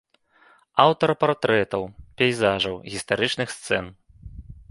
Аўтар партрэтаў, пейзажаў, гістарычных сцэн.